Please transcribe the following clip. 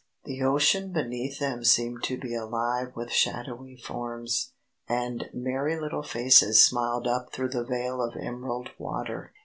The ocean beneath them seemed to be alive with shadowy forms, and merry little faces smiled up through the veil of emerald water.